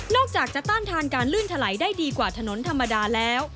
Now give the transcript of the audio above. อกจากจะต้านทานการลื่นถลายได้ดีกว่าถนนธรรมดาแล้ว